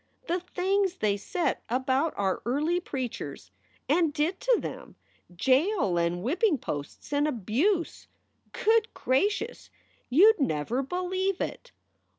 The things they said about our early preachers and did to them jail and whipping posts and abuse good gracious! you d never believe it!